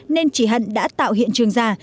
nên chị hận đã tạo hiện trường ra